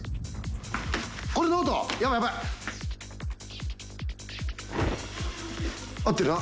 これノートヤバいヤバい合ってるな